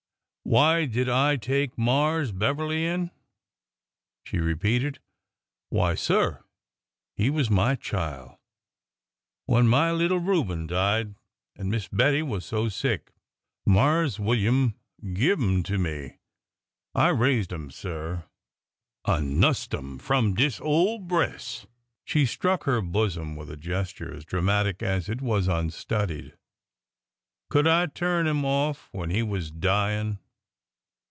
" Why did I take Marse Beverly in ?" she repeated. Why, sir, he was my chile ! When my little Reuben died and Miss Bettie was so sick, Marse William give 'im to me. I raised 'im, sir. I nussed 'im from dis ole breas' !" She struck her bosom with a gesture as dramatic as it was unstudied. '' Could I turn 'im off when he was dyin'